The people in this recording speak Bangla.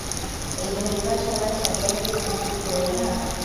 এই ধড়িবাজ শালার শয়তানী বুদ্ধি কি ফুরোয় না?